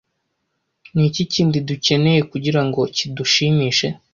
Ni iki kindi dukeneye kugirango kidushimishe?